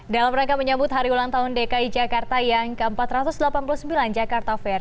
dalam rangka menyambut hari ulang tahun dki jakarta yang ke empat ratus delapan puluh sembilan jakarta fair